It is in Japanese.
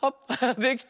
できた。